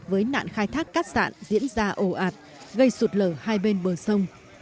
với nạn khai thác các sản diễn ra ồ ạt gây sụt lở hai bên bờ sông